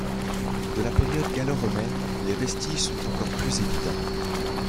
De la période gallo-romaine, les vestiges sont encore plus évidents.